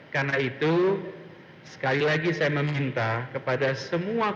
karena itu sekali lagi saya meminta kepada semua kota